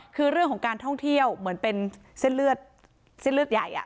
คือเรื่องของการท่องเที่ยวเหมือนเป็นเส้นเลือดเส้นเลือดใหญ่